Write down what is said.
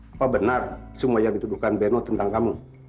apa benar semua yang dituduhkan beno tentang kamu